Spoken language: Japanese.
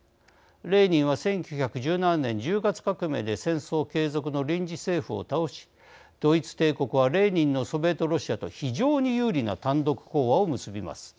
レーニンは１９１７年１０月革命で戦争継続の臨時政府を倒しドイツ帝国はレーニンのソビエトロシアと非常に有利な単独講和を結びます。